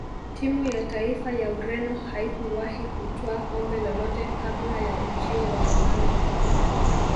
timu ya taifa ya ureno haikuwahi kutwaa kombe lolote kabla ya ujio wa ronaldo